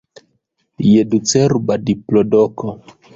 Je ducerba diplodoko!